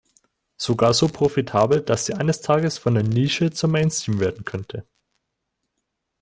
Sogar so profitabel, dass sie eines Tages von der Nische zum Mainstream werden könnte.